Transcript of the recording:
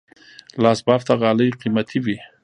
لاس بافته غالۍ قیمتي وي.